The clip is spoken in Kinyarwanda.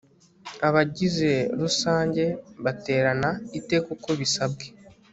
abagize rusange baterana iteka uko bisabwe